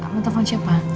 mau telepon siapa